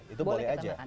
itu boleh aja